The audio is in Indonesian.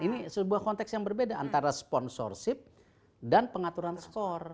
ini sebuah konteks yang berbeda antara sponsorship dan pengaturan skor